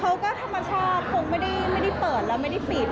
เขาก็ธรรมชาติคงไม่ได้เปิดแล้วไม่ได้ปิด